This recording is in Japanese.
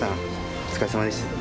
お疲れさまでした。